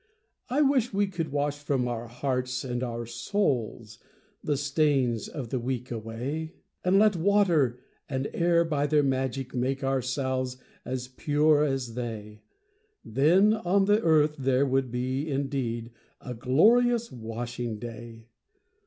I wish we could wash from our hearts and our souls The stains of the week away, And let water and air by their magic make Ourselves as pure as they; Then on the earth there would be indeed A glorious washing day!